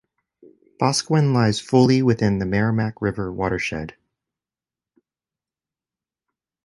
Boscawen lies fully within the Merrimack River watershed.